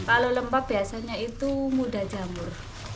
kalau lembab biasanya itu mudah jamur